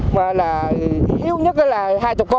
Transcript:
mà là hiếu nhất là từ có ba mươi